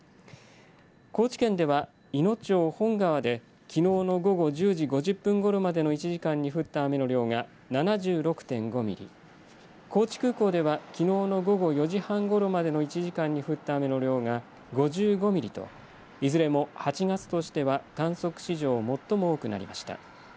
高知県では、いの町本川できのうの午後１０時５０分ごろまでの１時間に降った雨の量が７６．５ミリ高知空港では、きのうの午後４時半ごろまでの１時間に降った雨の量が５５ミリといずれも８月としては観測史上、最も多くなりました。